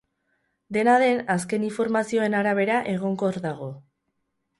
Dena den, azken informazioen arabera, egonkor dago.